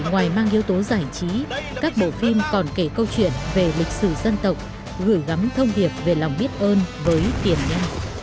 ngoài mang yếu tố giải trí các bộ phim còn kể câu chuyện về lịch sử dân tộc gửi gắm thông điệp về lòng biết ơn với tiền nhân